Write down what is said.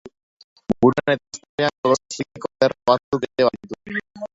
Buruan eta eztarrian kolore zuriko lerro batzuk ere baditu.